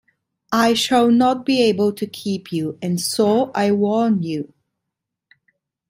I shall not be able to keep you — and so I warn you.